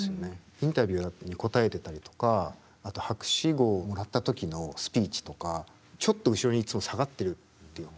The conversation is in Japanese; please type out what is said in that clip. インタビューに答えてたりとかあと博士号をもらった時のスピーチとかちょっと後ろにいつも下がってるっていうか。